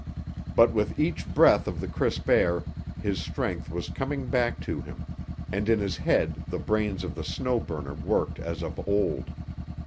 But with each breath of the crisp air his strength was coming back to him, and in his head the brains of the Snow Burner worked as of old.